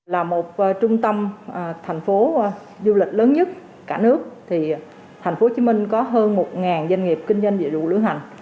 là một trung tâm thành phố du lịch lớn nhất cả nước thành phố hồ chí minh có hơn một doanh nghiệp kinh doanh vệ đủ lưu hành